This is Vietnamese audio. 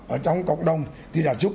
ở trong cộng đồng thì đã giúp